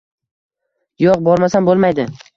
Yo`q, bormasam bo`lmaydi